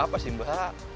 apa sih mbak